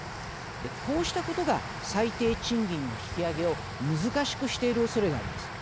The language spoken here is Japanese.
こうしたことが最低賃金の引き上げを難しくしているおそれがあります。